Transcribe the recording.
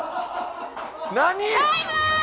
何！？